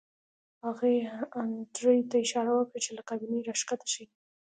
هغې انډریو ته اشاره وکړه چې له کابینې راښکته شي